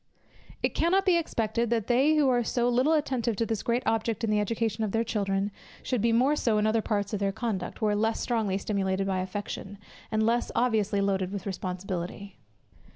It cannot be expected, that they who are so little attentive to this great object in the education of their children, should be more so in other parts of their conduct, where less strongly stimulated by affection, and less obviously loaded with responsibility.